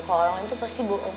ke orang lain itu pasti bohong